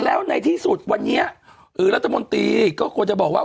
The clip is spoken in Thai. แล้วในที่สุดวันนี้รัฐมนตรีก็ควรจะบอกว่า